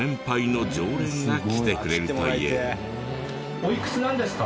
おいくつなんですか？